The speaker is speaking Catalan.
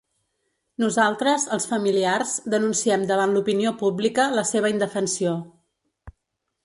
Nosaltres, els familiars, denunciem davant l’opinió pública la seva indefensió.